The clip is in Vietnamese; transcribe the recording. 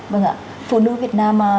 vâng ạ phụ nữ việt nam